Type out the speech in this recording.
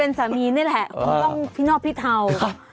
เป็นสามีนี่แหละต้องพี่นอกพี่เทา